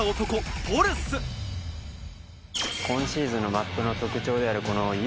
今シーズンのマップの特徴である。